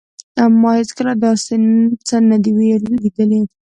ما هیڅکله داسې څه نه دي لیدلي